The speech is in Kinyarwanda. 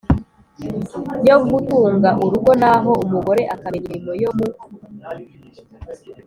yo gutunga urugo naho umugore akamenya imirimo yo mu